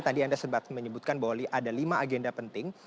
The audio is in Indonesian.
tadi anda sebutkan bahwa ada lima agenda penting